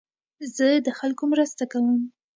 زه د خلکو مرسته کوم.